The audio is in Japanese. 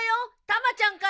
たまちゃんから。